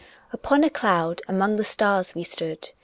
Upon a cloud among the stars we stood.